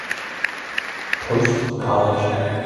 Post College.